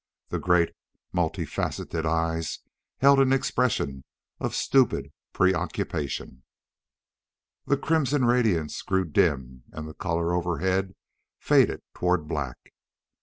The great, multi faceted eyes held an expression of stupid preoccupation. The crimson radiance grew dim and the color overhead faded toward black.